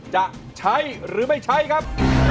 จะใช้หรือไม่ใช้ครับ